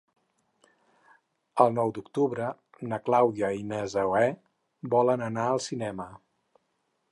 El nou d'octubre na Clàudia i na Zoè volen anar al cinema.